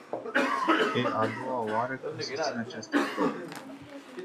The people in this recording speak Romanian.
E a doua oară când susțin această probă.